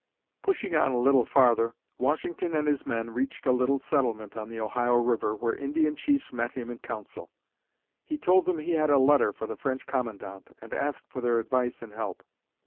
Pushing on a little farther, Washington and his men reached a little settlement on the Ohio River, where Indian chiefs met him in council. He told them he had a letter for the French commandant and asked for their advice and help.